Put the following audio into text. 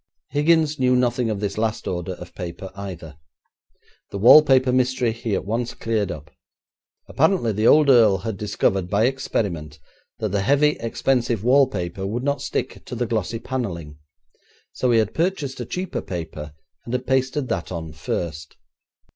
Higgins knew nothing of this last order of paper either. The wallpaper mystery he at once cleared up. Apparently the old earl had discovered by experiment that the heavy, expensive wallpaper would not stick to the glossy panelling, so he had purchased a cheaper paper, and had pasted that on first.